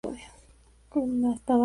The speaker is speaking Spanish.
Existirían antecedentes de esa Unión.